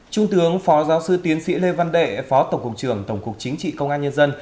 trung tướng phó giáo sư tiến sĩ lê văn đệ phó tổng cục trưởng tổng cục chính trị công an nhân dân